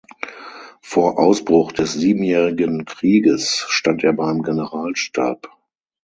Vor Ausbruch des Siebenjährigen Krieges stand er beim Generalstab.